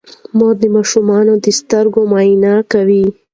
مور د ماشومانو د سترګو معاینه کوي.